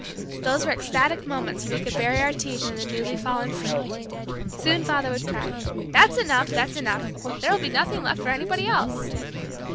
Those were ecstatic moments when we could bury our teeth in the newly fallen fruit. Soon father would cry, "That's enough! That's enough! There'll be nothing left for anybody else!"